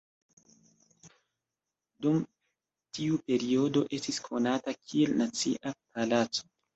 Dum tiu periodo estis konata kiel Nacia Palaco.